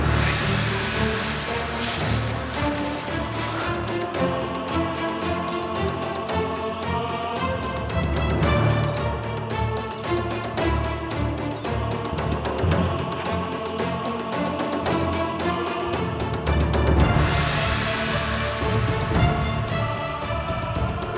mari nanda prabu